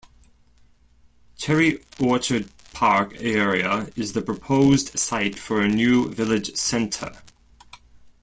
Cherry Orchard Park area is the proposed site for a new Village Centre.